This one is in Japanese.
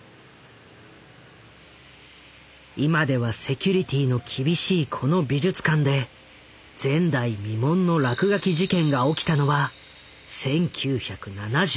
今ではセキュリティーの厳しいこの美術館で前代未聞の落書き事件が起きたのは１９７４年。